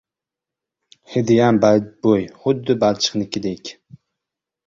Hidiyam badbo`y, xuddi balchiqnikidek